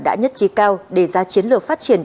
đã nhất trí cao đề ra chiến lược phát triển